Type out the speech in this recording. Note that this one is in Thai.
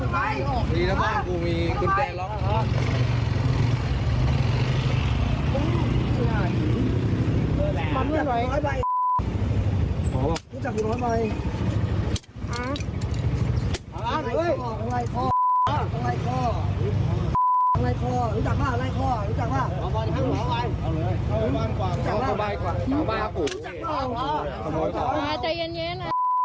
ข้ามล่านหลังห่วงความกลายมาใจเย็น